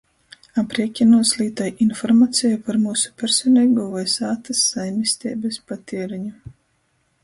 Apriekinūs lītoj informaceju par myusu personeigū voi sātys saimisteibys patiereņu.